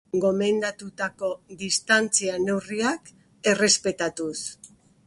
Gainera, mezak ematen hasi dira berriro, betiere agintariek gomendatutako distantzia-neurriak errespetatuz.